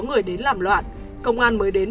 người đến làm loạn công an mới đến